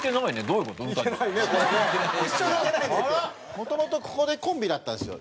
もともとここでコンビだったんですよ。